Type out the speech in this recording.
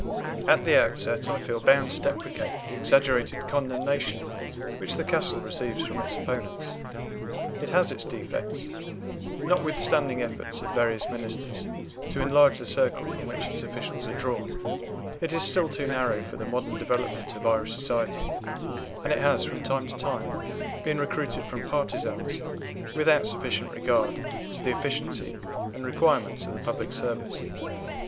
At the outset I feel bound to deprecate the exaggerated condemnation which the "Castle" receives from its opponents. It has its defects. Notwithstanding efforts of various ministers to enlarge the circle from which its officials are drawn, it is still too narrow for the modern development of Irish society, and it has from time to time been recruited from partisans without sufficient regard to the efficiency and requirements of the public service.